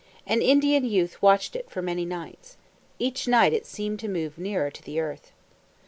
An Indian youth watched it for many nights. Each night it seemed to move nearer to the earth.